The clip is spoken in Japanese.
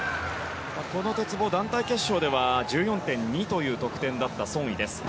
この鉄棒、団体決勝では１４．２という得点だったソン・イです。